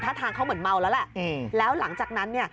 ถ้าทางเขาเหมือนเมาแล้วแหละแล้วหลังจากนั้นเนี่ย